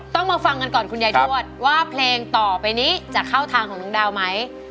ต้องมาฟังกันก่อนคุณยายทวดว่าเพลงต่อไปนี้จะเข้าทางของน้องดาวไหม